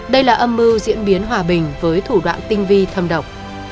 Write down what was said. đây là âm mưu diễn biến hòa bình với thủ đoạn tinh vi thâm độc